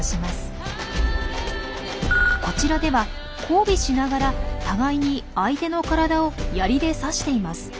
こちらでは交尾しながら互いに相手の体をヤリで刺しています。